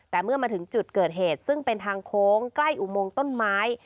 แต่เมื่อมาถึงจุดเกิดเหตุซึ่งเป็นทางโค้งใกล้อุโมงต้นไม้